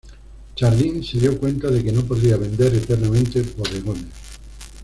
Chardin se dio cuenta de que no podría vender eternamente bodegones.